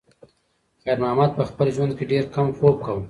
خیر محمد په خپل ژوند کې ډېر کم خوب کاوه.